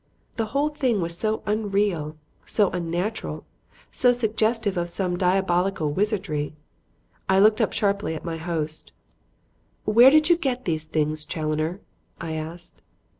The whole thing was so unreal, so unnatural, so suggestive of some diabolical wizardry. I looked up sharply at my host. "Where did you get these things, Challoner?" I asked.